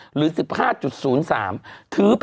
หรือ๑๕๐๓